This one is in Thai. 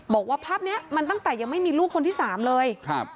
บอกว่าภาพนี้มันตั้งแต่ยังไม่มีลูกคนที่สามเลยครับ